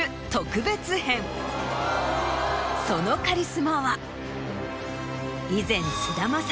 そのカリスマは。